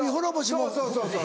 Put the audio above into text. そうそうそうそう。